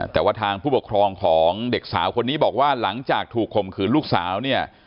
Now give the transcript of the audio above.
แต่ว่าทางผู้ปกครองของเด็กสาวคนนี้บอกว่าหลังจากถูกข่มขืนลูกสาวเนี่ย